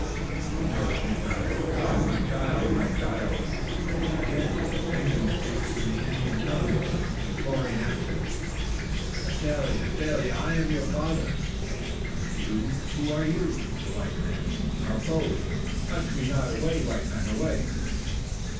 "She knows me not! Oh, God! my child! my child!" Again Seguin speaks in the Indian tongue, and with imploring accents "Adele! Adele! I am your father!" "You! Who are you? The white men; our foes! Touch me not! Away, white men! away!"